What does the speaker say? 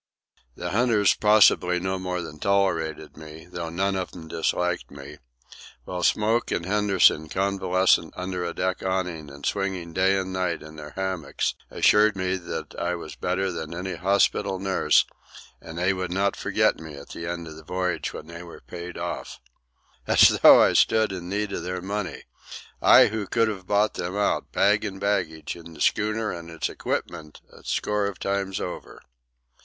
The hunters possibly no more than tolerated me, though none of them disliked me; while Smoke and Henderson, convalescent under a deck awning and swinging day and night in their hammocks, assured me that I was better than any hospital nurse, and that they would not forget me at the end of the voyage when they were paid off. (As though I stood in need of their money! I, who could have bought them out, bag and baggage, and the schooner and its equipment, a score of times over!)